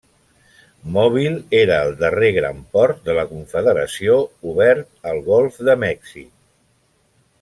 Mobile era el darrer gran port de la Confederació obert al Golf de Mèxic.